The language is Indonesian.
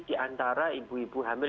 di antara ibu ibu hamil